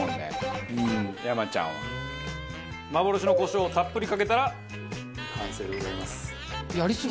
幻のコショウをたっぷりかけたら完成でございます。